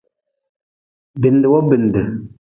Bindi wo binde.